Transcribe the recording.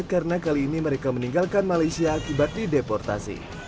karena kali ini mereka meninggalkan malaysia akibat dideportasi